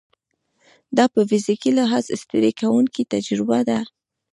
دا په فزیکي لحاظ ستړې کوونکې تجربه ده.